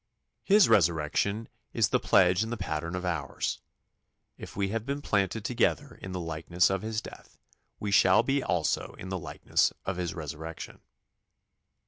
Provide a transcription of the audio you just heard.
" His resurrection is the pledge and the pattern of ours. "If we have been planted together in the likeness of his death, we shall be also in the likeness of his resurrection."